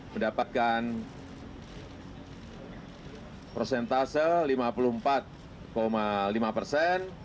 mendapatkan prosentase lima puluh empat lima persen